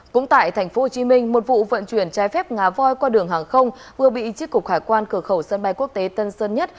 cũng tại tp hcm một vụ vận chuyển trái phép ngà voi qua đường hàng không vừa bị chiếc cục hải quan cửa khẩu sân bay quốc tế tân sơn nhất